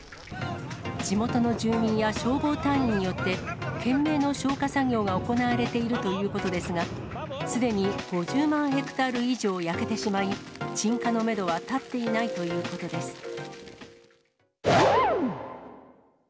地元の住民や消防隊員によって、懸命の消火作業が行われているということですが、すでに５０万ヘクタール以上焼けてしまい、鎮火のメドは立っていないということです。